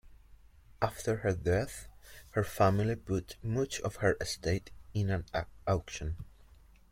After her death, her family put much of her estate in an auction.